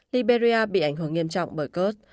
liberia bị ảnh hưởng nghiêm trọng bởi cơ sở